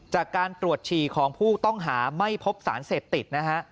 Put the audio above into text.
จากการตรวจฉี่ของผู้ต้องหาไม่พบสารเสพติดนะฮะ